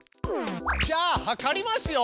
じゃあはかりますよ。